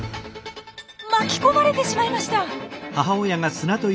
巻き込まれてしまいました！